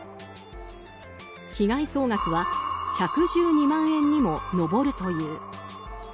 被害総額は１１２万円にも上るという。